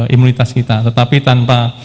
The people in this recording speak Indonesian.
imunitas kita tetapi tanpa